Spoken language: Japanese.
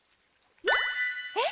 えっ？